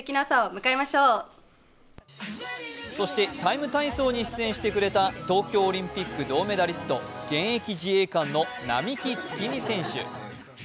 そして「ＴＩＭＥ，体操」に出演してくれた東京オリンピック銀メダリスト、現役自衛官の並木月海選手。